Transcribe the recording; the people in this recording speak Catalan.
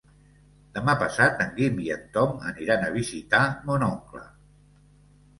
Demà passat en Guim i en Tom aniran a visitar mon oncle.